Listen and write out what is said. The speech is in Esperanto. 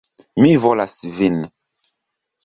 Mi volas vin.